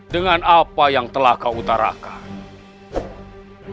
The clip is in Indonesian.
dengan apa yang telah kau utarakan